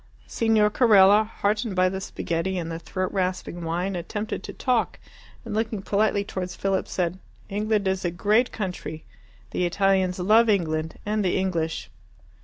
Signor Carella, heartened by the spaghetti and the throat rasping wine, attempted to talk, and, looking politely towards Philip, said, "England is a great country. The Italians love England and the English."